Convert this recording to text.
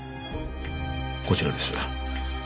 こちらです。